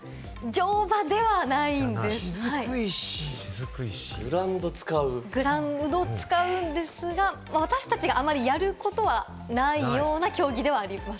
乗馬ではないんですが、グラウンドを使うんですが、私達があまりやることはないような競技ではあります。